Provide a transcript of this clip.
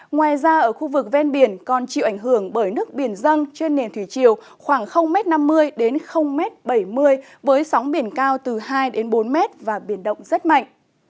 ngoài ra ở khu vực ven biển còn chịu ảnh hưởng bởi nước biển dân trên nền thủy chiều khoảng năm mươi m đến bảy mươi m với sóng biển cao từ hai đến bốn m và biển động cao